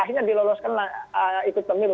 akhirnya diloloskanlah ikut pemilu